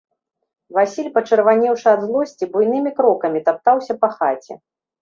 Васіль, пачырванеўшы ад злосці, буйнымі крокамі таптаўся па хаце.